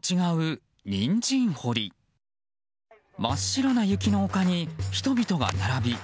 真っ白な雪の丘に人々が並び。